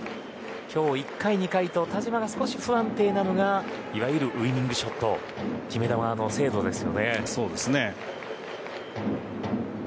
今日、１回２回と田嶋が少し不安定なのがいわゆるウィニングショット決め球の精度です。